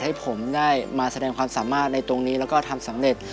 ให้ผมได้มาแสดงความสามารถในตรงนี้แล้วก็ทำสำเร็จ